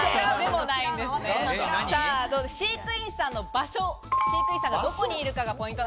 飼育員さんの場所、飼育員さんが、どこにいるかがポイント。